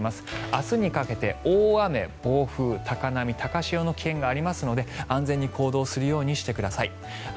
明日にかけて大雨、暴風高波、高潮の危険がありますので安全に行動するようにしてください。